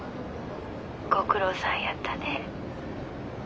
ご苦労さんやったね。